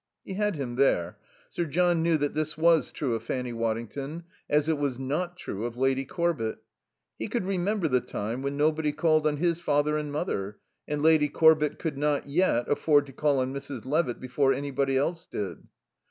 He had him there. Sir John knew that this was true of Fanny Waddington, as it was not true of Lady Corbett. He could remember the time when nobody called on his father and mother; and Lady Corbett could not, yet, afford to call on Mrs. Levitt before anybody else did.